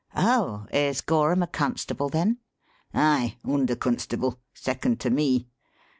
"Oh! is Gorham a constable, then?" "Aye under constable: second to me.